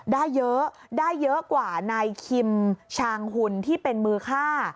ได้เยอะได้เยอะกว่านายคิมชางหุ่นที่เป็นมือฆ่า